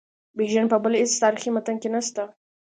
بیژن په بل هیڅ تاریخي متن کې نسته.